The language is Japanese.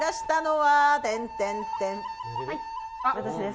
はい私です。